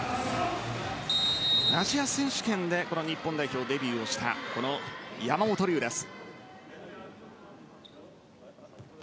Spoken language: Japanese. アジア選手権で日本代表デビューをしたこの山本龍です。